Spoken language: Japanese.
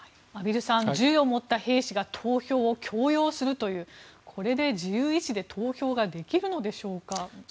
銃を持った兵士が投票を強要するというこれで、自由意思で投票ができるのでしょうか。